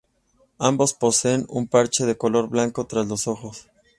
Ambos poseen un parche de color blanco tras los ojos.